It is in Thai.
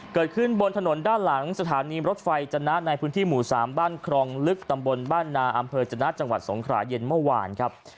เกิดขึ้นบนถนนด้านหลังสถานีรถไฟจนะในพื้นที่หมู่๓บ้านครองลึกตำบลบ้านนาอำเภอจนะจังหวัดสงขราเย็นเมื่อวานครับ